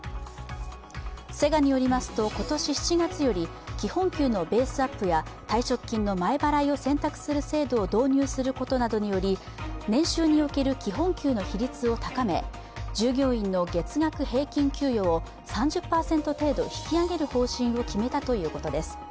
セガによりますと、今年７月より基本給のベースアップや退職金の前払いを選択する制度を導入することなどにより年収における基本給の比率を高め従業員の月額平均給与を３０％程度引き上げる方針を決めたということです。